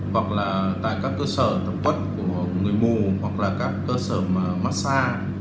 hoặc là tại các cơ sở tẩm quất của người mù hoặc là các cơ sở mà mát xa